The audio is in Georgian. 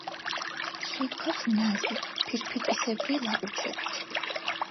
სუნთქავს ნაზი ფირფიტისებრი ლაყუჩებით.